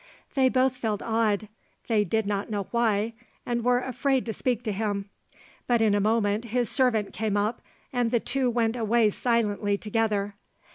They both felt awed they did not know why and were afraid to speak to him. But in a moment his servant came up, and the two went away silently together.